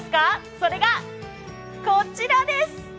それがこちらです。